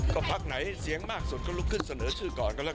ก็พักไหนเสียงมากสุดก็ลุกขึ้นเสนอชื่อก่อนกันแล้ว